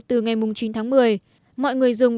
từ ngày chín tháng một mươi mọi người dùng